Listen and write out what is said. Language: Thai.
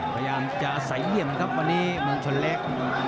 พยายามจะใสเหลี่ยมครับวันนี้มันชนเล็ก